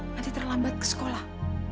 nanti terlambat ke sekolah